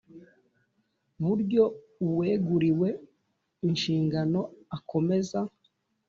Buryo uweguriwe inshingano akomeza